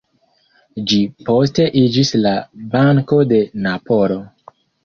Ĝi poste iĝis la "Banko de Napolo".